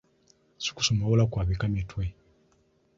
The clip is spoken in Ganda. Si kusoma wabula kwabika mitwe.